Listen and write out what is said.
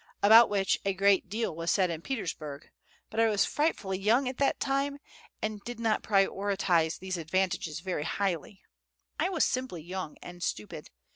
about which a great deal was said in Petersburg; but I was frightfully young at that time, and did not prize these advantages very highly. I was simply young and stupid.